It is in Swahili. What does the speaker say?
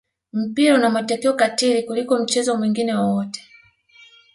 mpira una matokeo katili kuliko mchezo mwingine wowote